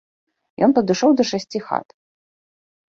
Ён падышоў да шасці хат.